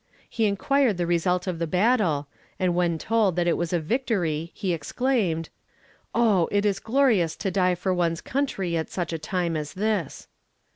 He inquired the result of the battle, and when told that it was a victory he exclaimed "Oh! it is glorious to die for one's country at such a time as this!"